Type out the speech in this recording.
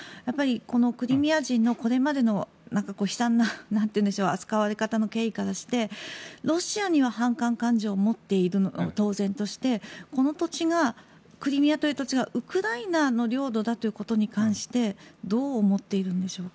クリミア人のこれまでの悲惨な扱われ方の経緯からしてロシアには反感感情を持っているのは当然としてこの土地がクリミアという土地がウクライナの領土だということに関してどう思っているんでしょうか。